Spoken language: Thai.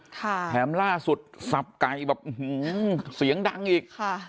แถมล่าสุดสับไก่แบบอื้อหือเสียงดังอีกค่ะ